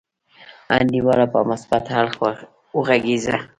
انډیواله په مثبت اړخ وغګیږه.